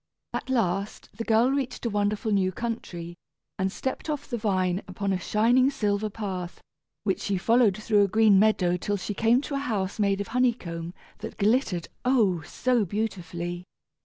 At last the girl reached a wonderful new country, and stepped off the vine upon a shining silver path, which she followed through a green meadow till she came to a house made of honey comb that glittered, oh! so beautifully.